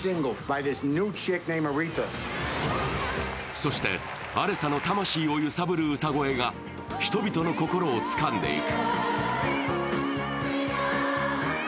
そして、アレサの魂を揺さぶる歌声が人々の心をつかんでいく。